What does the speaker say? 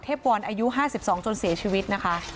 เทพวรอายุห้าสิบสองจนเสียชีวิตนะคะ